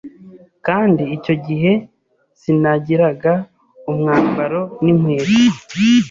kandi icyo gihe sinagiraga umwambaro n’inkweto